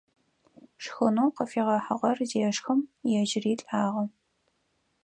Шхынэу къыфихьыгъэр зешхым, ежьыри лӀагъэ.